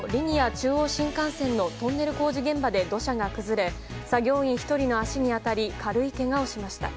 中央新幹線のトンネル工事現場で土砂が崩れ作業員１人の足に当たり軽いけがをしました。